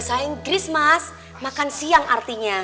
serius mas makan siang artinya